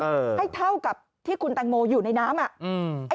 ให้เท่ากับที่คุณแตงโมอยู่ในน้ำอ่ะอืม